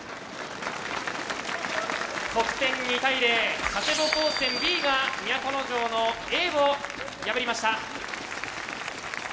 得点２対０佐世保高専Ｂが都城のＡを破りました。